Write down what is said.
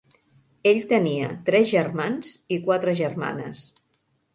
Ell tenia tres germans i quatre germanes.